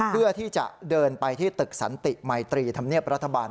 เพื่อที่จะเดินไปที่ตึกสันติมัยตรีธรรมเนียบรัฐบาล